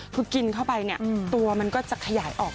คือกินเข้าไปเนี่ยตัวมันก็จะขยายออก